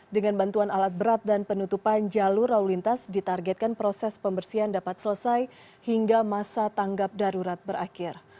dengan bantuan alat berat dan penutupan jalur lalu lintas ditargetkan proses pembersihan dapat selesai hingga masa tanggap darurat berakhir